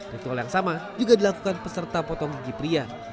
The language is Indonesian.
ritual yang sama juga dilakukan peserta potong gigi pria